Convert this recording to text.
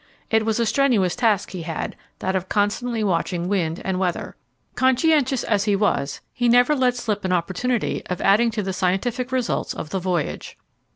It was a strenuous task he had, that of constantly watching wind and weather. Conscientious as he was, he never let slip an opportunity of adding to the scientific results of the voyage.